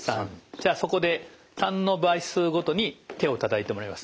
じゃあそこで３の倍数ごとに手をたたいてもらいます。